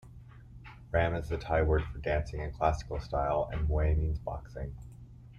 "Ram" is the Thai word for dancing in classical style, and "muay" means boxing.